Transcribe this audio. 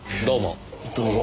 どうも。